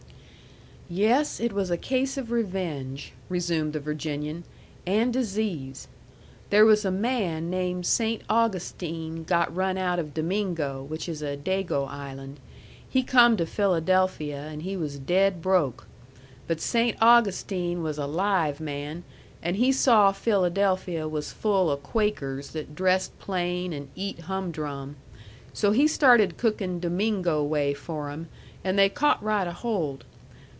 "Yes, it was a case of revenge," resumed the Virginian, "and disease. There was a man named Saynt Augustine got run out of Domingo, which is a Dago island. He come to Philadelphia, an' he was dead broke. But Saynt Augustine was a live man, an' he saw Philadelphia was full o' Quakers that dressed plain an' eat humdrum. So he started cookin' Domingo way for 'em, an' they caught right ahold.